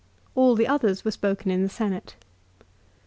All the others were spoken in the Senate.